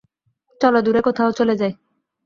চলো দূরে কোথাও চলে যাই।